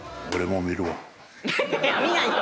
いや見ないと！